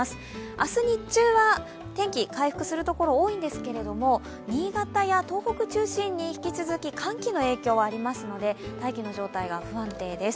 明日日中は天気、回復するところが多いんですけど新潟や東北を中心に引き続き寒気の影響がありますので大気の状態が不安定です。